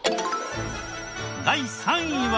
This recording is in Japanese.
第３位は。